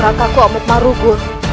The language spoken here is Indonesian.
rangkaku amuk marugul